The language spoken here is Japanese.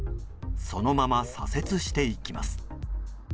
そのまま左折していきます。